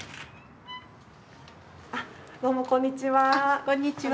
あっどうもこんにちは。